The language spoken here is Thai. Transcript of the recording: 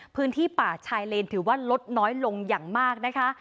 พื้นที่ป่าชายเลนถือว่าลดน้อยลงอย่างมากนะคะ